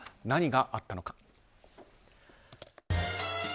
何があったのか。